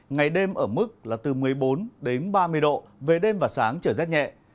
ngày đêm ở mức là từ một mươi bốn đến ba mươi độ về đêm và sáng trở rét nhẹ